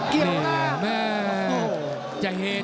เกี่ยวแรง